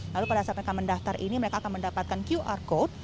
lalu pada saat mereka mendaftar ini mereka akan mendapatkan qr code